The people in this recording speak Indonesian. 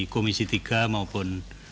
komisi tiga maupun